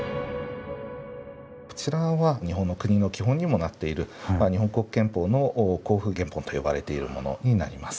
こちらは日本の国の基本にもなっている日本国憲法の公布原本と呼ばれているものになります。